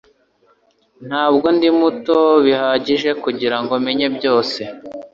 Ntabwo ndi muto bihagije kugirango menye byose.